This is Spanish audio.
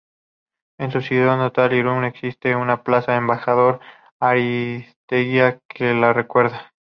En su ciudad natal, Irún, existe una plaza Embajador Arístegui que lo recuerda.